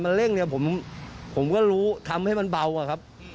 มันเร่งผมก็รู้ทำให้มันเบาครับ